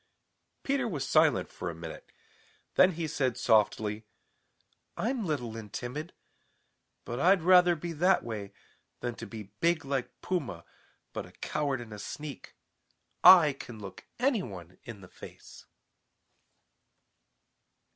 Peter was silent for a minute. Then he said softly: "I'm little and timid, but I'd rather be that way than to be big like Puma but a coward and a sneak. I can look any one in the face."